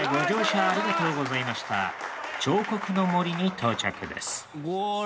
彫刻の森に到着です。